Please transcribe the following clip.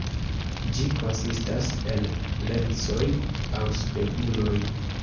Ĝi konsistas el lensoj aŭ speguloj.